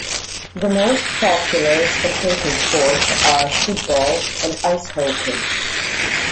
The most popular spectator sports are football and ice hockey.